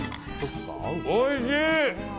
おいしい！